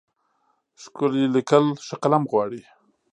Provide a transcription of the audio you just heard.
ښکلي لیکل ښه قلم غواړي.